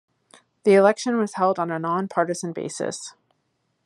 The election was held on a non-partisan basis.